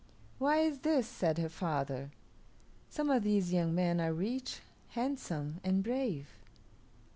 "Why is this?" said her father. "Some of these young men are rich, handsome, and brave."